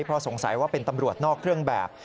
เพราะสงสัยว่าเป็นตำรวจนอกเครื่องแบบ